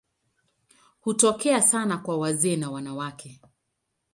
Hutokea sana kwa wazee na wanawake.